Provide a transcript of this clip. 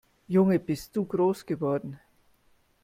Junge, bist du groß geworden!